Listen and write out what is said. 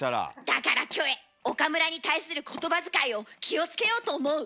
だからキョエ岡村に対する言葉遣いを気をつけようと思う。